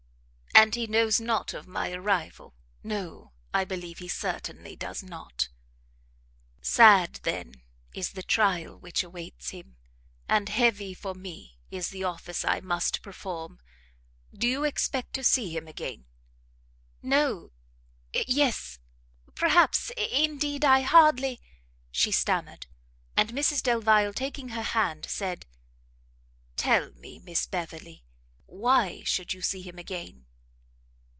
"And he knows not of my arrival?" No, I believe he certainly does not." "Sad then, is the trial which awaits him, and heavy for me the office I must perform! Do you expect to see him again?" "No, yes, perhaps indeed I hardly " She stammered, and Mrs Delvile, taking her hand, said "Tell me, Miss Beverley, why should you see him again?"